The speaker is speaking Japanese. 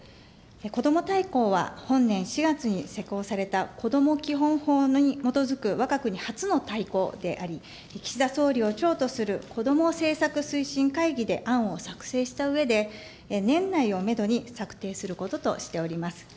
こども大綱は、本年４月に施行されたこども基本法に基づくわが国初の大綱であり、岸田総理を長とするこども政策推進会議で案を作成したうえで、年内をメドに策定することとしております。